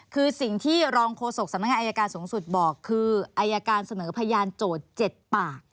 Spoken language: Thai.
คือสิ่งที่รองโฆษกสำนักงานอายการสูงสุดบอกคืออายการเสนอพยานโจทย์๗ปาก